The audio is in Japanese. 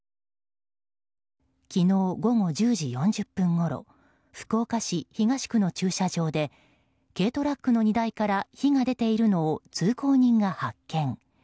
昨日午後１０時４０分ごろ福岡市東区の駐車場で軽トラックの荷台から火が出ているのを通行人が発見。